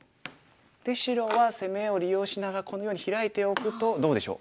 で白は攻めを利用しながらこのようにヒラいておくとどうでしょう？